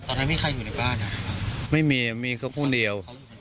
ตอนนั้นมีใครอยู่ในบ้านครับไม่มีมีแค่ผู้เดียว